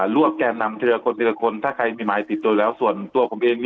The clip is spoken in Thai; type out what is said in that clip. ลวกแกนนำทีละคนคนถ้าใครมีหมายติดตัวแล้วส่วนตัวผมเอง